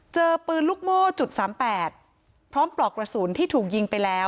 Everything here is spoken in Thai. เจอปืนลูกโม่จุดสามแปดพร้อมปลอกกระสุนที่ถูกยิงไปแล้ว